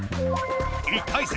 １回戦